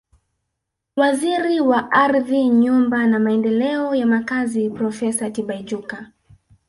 Waziri wa Ardhi Nyumba na Maendeleo ya Makazi Profesa Tibaijuka